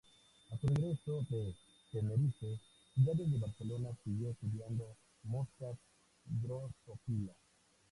A su regreso de Tenerife, ya desde Barcelona, siguió estudiando moscas Drosophila.